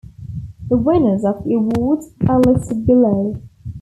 The winners of the awards are listed below.